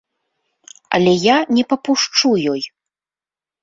Але я не папушчу ёй!